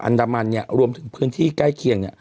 ทั้งเกาะอันดามันรวมถึงพื้นที่ใกล้เคียง